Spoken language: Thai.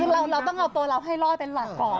คือเราต้องเอาตัวเราให้รอดเป็นหลักก่อน